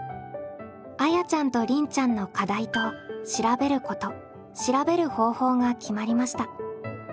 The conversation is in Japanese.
あやちゃんとりんちゃんの課題と「調べること」「調べる方法」が決まりました。